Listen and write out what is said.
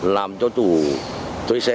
làm cho chủ thuê xe